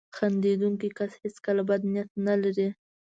• خندېدونکی کس هیڅکله بد نیت نه لري.